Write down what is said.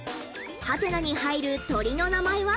ハテナに入る鳥の名前は？